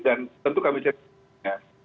dan tentu kami cekannya